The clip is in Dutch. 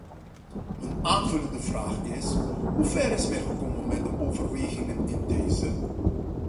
Mijn aanvullende vraag is: hoe ver is men gekomen met de overwegingen in dezen?